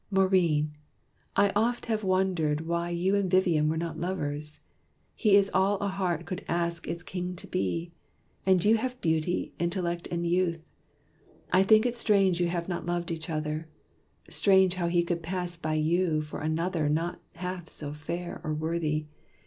"Maurine! I oft have wondered Why you and Vivian were not lovers. He Is all a heart could ask its king to be; And you have beauty, intellect and youth. I think it strange you have not loved each other Strange how he could pass by you for another Not half so fair or worthy.